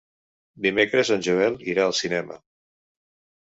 Dimecres en Joel irà al cinema.